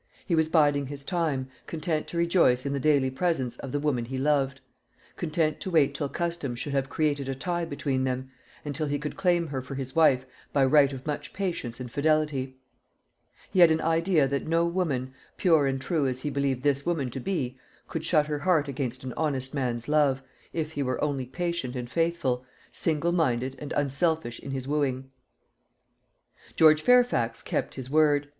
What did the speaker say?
He was biding his time, content to rejoice in the daily presence of the woman he loved; content to wait till custom should have created a tie between them, and till he could claim her for his wife by right of much patience and fidelity. He had an idea that no woman, pure and true as he believed this woman to be, could shut her heart against an honest man's love, if he were only patient and faithful, single minded and unselfish in his wooing. George Fairfax kept his word.